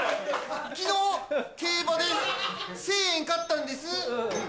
昨日競馬で１０００円勝ったんです。